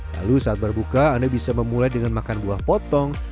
lalu saat berbuka anda bisa memulai dengan makan buah potong